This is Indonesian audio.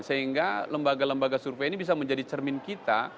sehingga lembaga lembaga survei ini bisa menjadi cermin kita